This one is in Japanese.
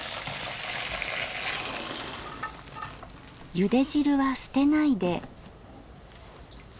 ゆで汁は捨てないで。